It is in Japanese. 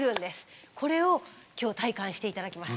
これを今日体感して頂きます。